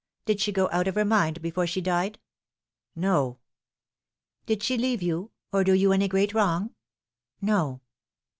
Did she go out of her mind before she died ?"" No." " Did she leave you or do you any great wrong ?" "No."